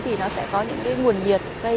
thì nó sẽ có những cái nguồn nhiệt